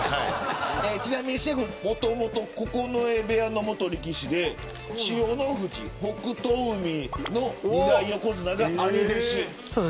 ちなみにシェフはもともと九重部屋の力士で千代の富士、北勝海の二大横綱が兄弟子。